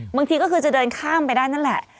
บางทีก็คือจะเดินข้ามไปได้นั่นแหละ